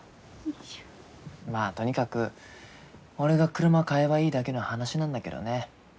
まあとにかく俺が車買えばいいだけの話なんだけどね。